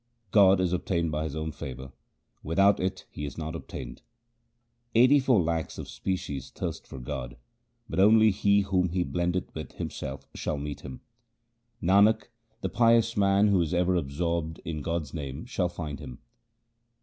1 God is obtained by His own favour ; without it He is not obtained. Eighty four lakhs of species thirst for God, but only he whom He blendeth with Himself shall meet Him. Nanak, the pious man who is ever absorbed in God's name shall find Him.